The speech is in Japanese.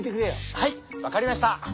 はいわかりました。